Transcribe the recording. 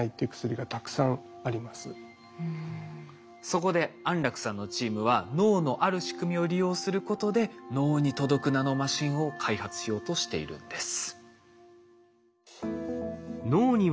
そこで安楽さんのチームは脳のある仕組みを利用することで脳に届くナノマシンを開発しようとしているんです。